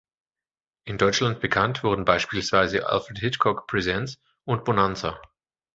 In Deutschland bekannt wurden beispielsweise "Alfred Hitchcock Presents" und "Bonanza".